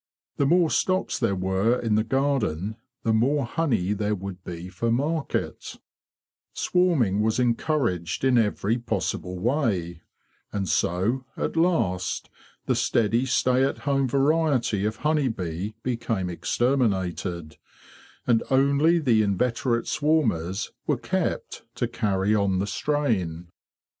The more stocks there were in the garden the more honey there would be for market. 52 HEREDITY IN THE BEE GARDEN 53 Swarming was encouraged in every possible way. And so, at last, the steady, stay at home variety of honey bee became exterminated, and only the inveterate swarmers were kept to carry on the strain."